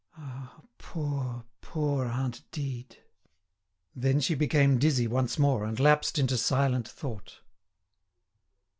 Ah! poor, poor aunt Dide!" Then she became dizzy once more, and lapsed into silent thought.